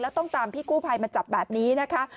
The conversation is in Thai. แล้วต้องตามพี่กู้ภัยมาจับแบบนี้นะคะ